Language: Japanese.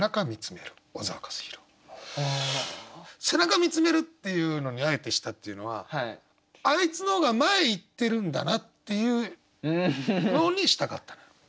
「背中見つめる」っていうのにあえてしたっていうのはあいつの方が前行ってるんだなっていうようにしたかったから。